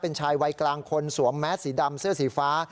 เป็นชายวัยกลางคนสวมแมสสีดำเสื้อสีฟ้า